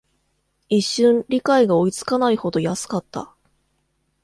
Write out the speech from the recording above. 一瞬、理解が追いつかないほど安かった